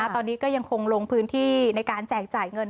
ตอนนี้ก็ยังคงลงพื้นที่ในการแจกจ่ายเงิน